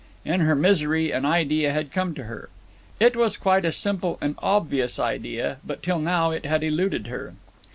In her misery an idea had come to her. It was quite a simple and obvious idea, but till now it had eluded her.